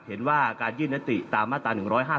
เห็นว่าการยื่นนติตามมาตรา๑๕๗